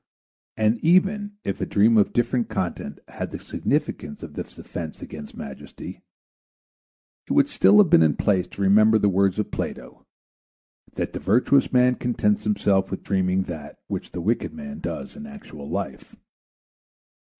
And even if a dream of different content had the significance of this offense against majesty, it would still have been in place to remember the words of Plato, that the virtuous man contents himself with dreaming that which the wicked man does in actual life.